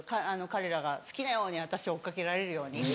彼らが好きなように私を追っ掛けられるように。